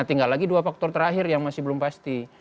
tinggal lagi dua faktor terakhir yang masih belum pasti